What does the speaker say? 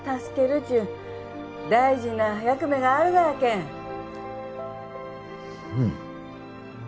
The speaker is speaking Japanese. っちゅう大事な役目があるがやけんうん